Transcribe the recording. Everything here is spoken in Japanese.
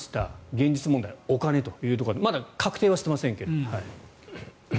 現実問題、お金というところでまだ確定はしていませんが。